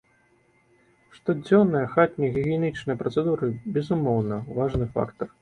Штодзённыя хатнія гігіенічныя працэдуры, безумоўна, важны фактар.